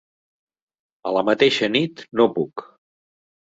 A la mateixa nit no puc.